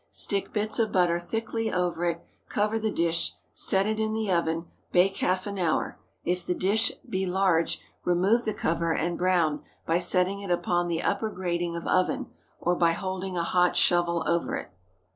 Stick bits of butter thickly over it, cover the dish, set it in the oven, bake half an hour; if the dish be large, remove the cover, and brown by setting it upon the upper grating of oven, or by holding a hot shovel over it.